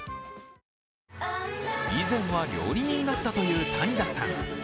以前は料理人だったという谷田さん。